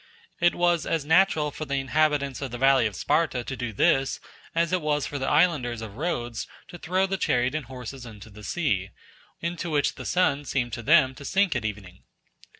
It was as natural for the inhabitants of the valley of Sparta to do this as it was for the islanders of Rhodes to throw the chariot and horses into the sea, into which the sun seemed to them to sink at evening.